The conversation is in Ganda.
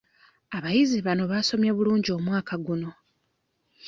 Abayizi bano basomye bulungi omwaka guno.